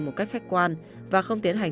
một cách khách quan và không tiến hành